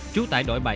trú tại đội bảy